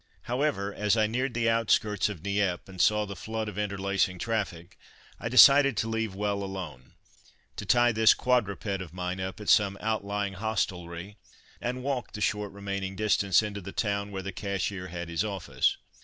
However, as I neared the outskirts of Nieppe, and saw the flood of interlacing traffic, I decided to leave well alone to tie this quadruped of mine up at some outlying hostelry and walk the short remaining distance into the town where the cashier had his office.